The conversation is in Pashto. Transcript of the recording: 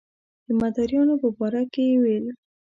د مداریانو په باره کې یې ویل.